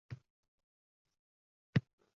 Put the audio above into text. O'zim ololmaymanmi, Fotimaxonim! Olib qo'ying.